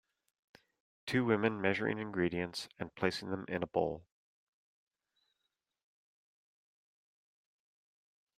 Two women measuring ingredients and placing them in a bowl.